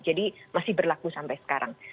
masih berlaku sampai sekarang